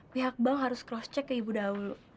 pihak bank harus cross check ke ibu dahulu